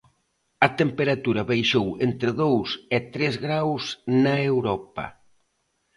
A temperatura baixou entre dous e tres graos na Europa.